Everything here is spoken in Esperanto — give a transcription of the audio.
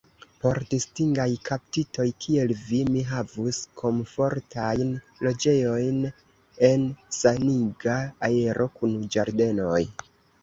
Por distingaj kaptitoj, kiel vi, mi havus komfortajn loĝejojn en saniga aero, kun ĝardenoj.